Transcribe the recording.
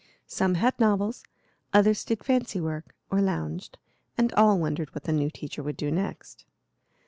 Some had novels, others did fancy work or lounged, and all wondered what the new teacher would do next.